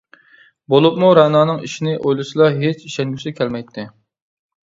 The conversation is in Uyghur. بولۇپمۇ رەنانىڭ ئىشىنى ئويلىسىلا ھېچ ئىشەنگۈسى كەلمەيتتى.